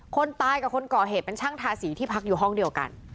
คนตายกับคนก่อเหตุเป็นช่างทาสีที่พักอยู่ห้องเดียวกัน